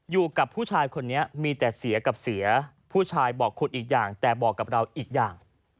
อยู่กับผู้ชายคนนี้มีแต่เสียกับเสียผู้ชายบอกคุณอีกอย่างแต่บอกกับเราอีกอย่าง